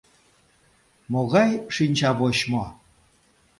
— Могай шинча вочмо?